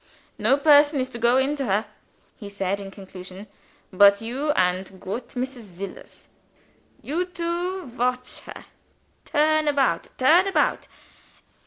"No person is to go into her," he said, in conclusion, "but you and goot Mrs. Zillahs. You two watch her, turn about turn about.